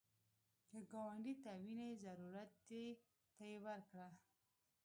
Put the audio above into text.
که ګاونډي ته وینې ضرورت دی، ته یې ورکړه